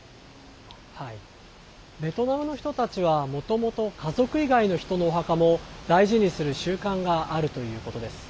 ベトナムの人たちはもともと家族以外の人のお墓も大事にする習慣があるということです。